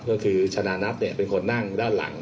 ก็คือชนะนัทเป็นคนนั่งด้านหลัง